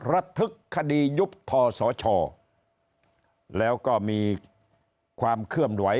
ระทึกคดียุบทสชแล้วก็มีความเคลื่อนไหว